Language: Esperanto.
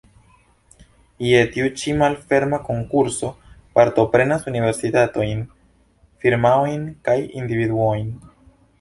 Je tiu ĉi malferma konkurso partoprenas universitatojn, firmaojn kaj individuojn.